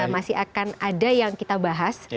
masih akan ada yang kita bahas